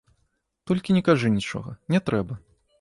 Толькі не кажы нічога, не трэба.